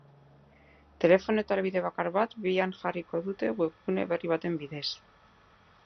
Telefono eta helbide bakar bat bian jarriko dute, webgune berri baten bidez.